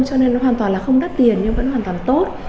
cho nên nó hoàn toàn là không đắt tiền nhưng vẫn hoàn toàn tốt